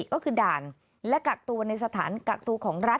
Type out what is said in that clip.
ก็คือด่านและกักตัวในสถานกักตัวของรัฐ